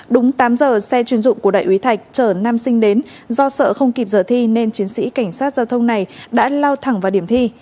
đúng tám giờ xe chuyên dụng của đại úy thạch chở nam sinh đến do sợ không kịp giờ thi nên chiến sĩ cảnh sát giao thông này đã lao thẳng vào điểm thi